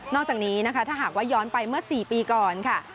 อกจากนี้นะคะถ้าหากว่าย้อนไปเมื่อ๔ปีก่อนค่ะ